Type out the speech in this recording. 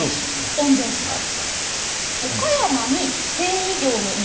御曹司です。